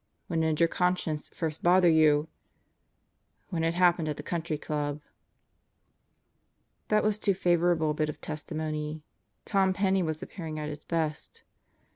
"When did your conscience first bother you?" "When it happened at the Country Club." That was too favorable a bit of testimony. Tom Penney was appearing at his best.